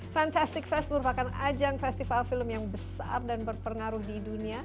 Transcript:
fantastic fest merupakan ajang festival film yang besar dan berpengaruh di dunia